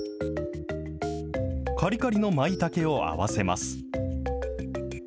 かりかりのマイタケを合わせます。